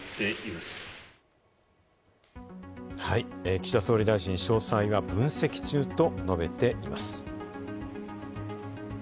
岸田総理大臣、詳細は分析中と述べています。